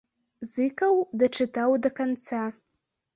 Зыкаў дачытаў да канца.